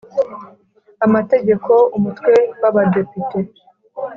Amategeko Umutwe w Abadepite